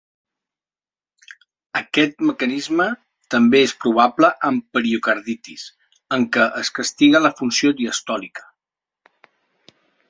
Aquest mecanisme també és probable amb pericarditis, en què es castiga la funció diastòlica.